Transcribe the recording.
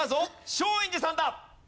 松陰寺さんだ。